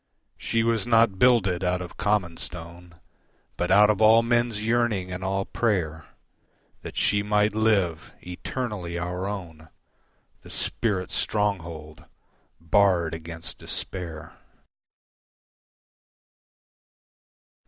She was not builded out of common stone But out of all men's yearning and all prayer That she might live, eternally our own, The Spirit's stronghold barred against despair.